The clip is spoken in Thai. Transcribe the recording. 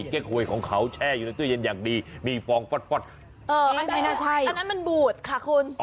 อันนั้นมันบุตรค่ะคุณเอาเหรอเดี๋ยวเย็นหรือเปล่าค่ะ